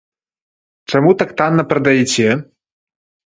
Чаму так танна прадаяце?